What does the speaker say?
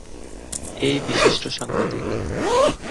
এই বিশিষ্ট সাংবাদিক।